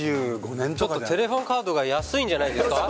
ちょっとテレホンカードが安いんじゃないですか？